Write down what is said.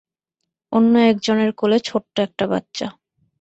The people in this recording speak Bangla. অন্য এক জনের কোলে ছোট্ট একটা বাচ্চা।